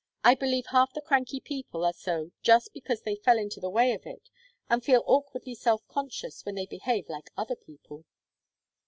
I believe half the cranky people are so just because they fell into the way of it, and feel awkwardly self conscious when they behave like other people."